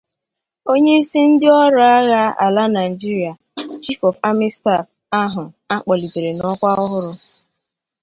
onyeisi ndị ọrụ agha ala Nigeria 'Chief of Army Staff' ahụ a kpọlitere n'ọkwa ọhụrụ